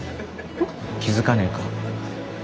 気付かねえか？